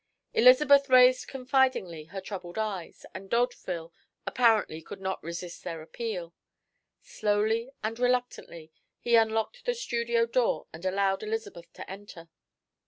Elizabeth raised confidingly her troubled eyes, and D'Hauteville apparently could not resist their appeal. Slowly and reluctantly he unlocked the studio door and allowed Elizabeth to enter.